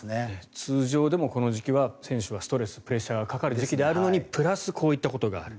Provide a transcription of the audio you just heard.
通常でもこの時期は選手はストレスやプレッシャーがかかる時期でもあるのにプラス、こういったことがある。